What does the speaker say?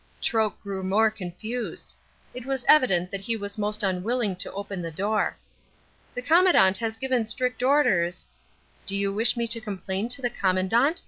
Troke grew more confused. It was evident that he was most unwilling to open the door. "The Commandant has given strict orders " "Do you wish me to complain to the Commandant?"